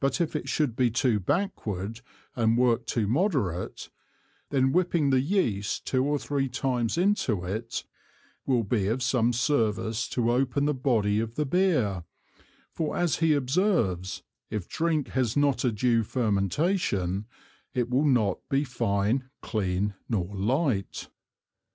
But if it should be too backward and work too moderate, then whipping the Yeast two or three times into it will be of some service to open the Body of the Beer, for as he observes, if Drink has not a due fermentation, it will not be fine, clean, nor light.